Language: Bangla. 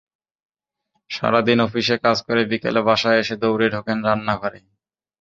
সারা দিন অফিসে কাজ করে বিকেলে বাসায় এসে দৌড়ে ঢোকেন রান্না ঘরে।